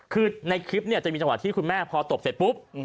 คือในคลิปจะมีจังหวะที่คุณแม่พอตบเสร็จปุ๊บ